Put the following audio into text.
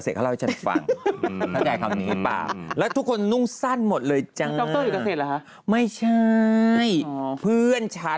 เพื่อนฉันนี่คุณไอ่แหน่ะ